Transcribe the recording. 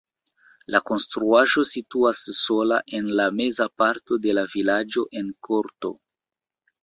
La konstruaĵo situas sola en la meza parto de la vilaĝo en korto.